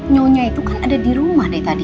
nyonya itu kan ada di rumah dari tadi